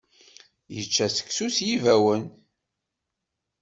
Yečča seksu s yibawen.